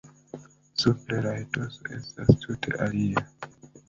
Supre la etoso estas tute alia.